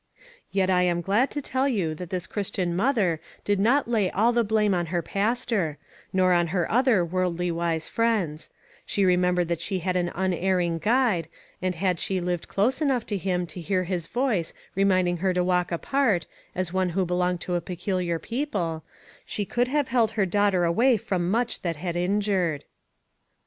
Yet I am glad to tell you that this Christian mother did not lay all the blame on her pastor, or on her other worldly wise friends ; she remembered that she had an uner ring Guide, and had she lived close enough to him to hear his voice reminding her to walk apart, as one who belonged to a pecul iar people, she could have held her daughter away from much that had injured.